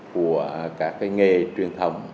của cả cái nghề truyền thông